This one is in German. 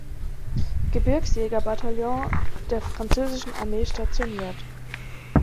Gebirgsjägerbataillon der französischen Armee stationiert.